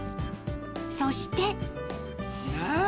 ［そして］何？